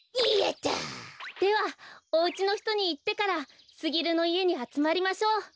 やった！ではおうちのひとにいってからすぎるのいえにあつまりましょう。